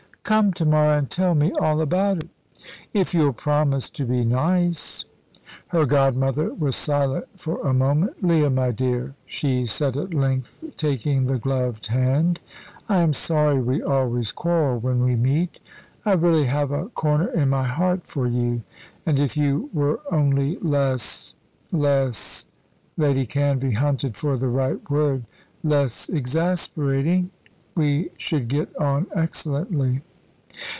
"Come to morrow and tell me all about it." "If you'll promise to be nice." Her godmother was silent for a moment. "Leah, my dear," she said at length, taking the gloved hand, "I am sorry we always quarrel when we meet. I really have a corner in my heart for you, and if you were only less less " Lady Canvey hunted for the right word "less exasperating, we should get on excellently."